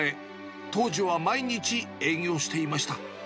当時は毎日営業していました。